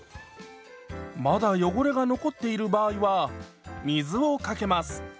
まだ汚れが残っている場合は水をかけます。